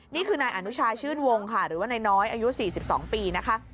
นี่คือนายอนุชาชื่นวงค่ะหรือว่านายน้อยอายุ๔๒ปีนะคะ